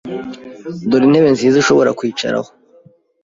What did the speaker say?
Dore intebe nziza ushobora kwicaraho.